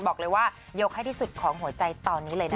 บอกเลยว่าลงเลยกับโหยใจตอนนี้เลย